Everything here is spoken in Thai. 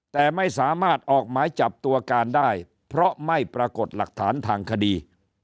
แต่ไม่สามารถออกหมายจับตัวการได้เพราะไม่ปรากฏหลักฐานทางคดี